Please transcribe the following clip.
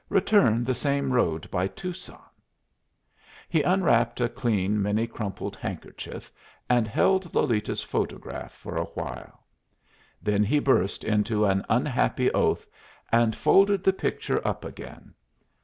"Return the same road by Tucson!" He unwrapped a clean, many crumpled handkerchief, and held Lolita's photograph for a while. Then he burst into an unhappy oath, and folded the picture up again.